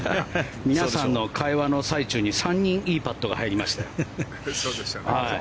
皆さんの会話の最中に３人いいパットが入りましたよ。